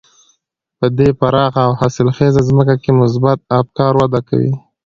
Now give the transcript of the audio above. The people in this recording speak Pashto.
په دې پراخه او حاصلخېزه ځمکه کې مثبت افکار وده کوي.